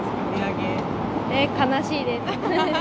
悲しいです。